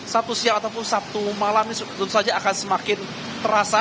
satu siang ataupun satu malam ini tentu saja akan semakin terasa